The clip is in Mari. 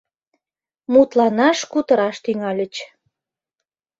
Мутланаш-кутыраш тӱҥальыч.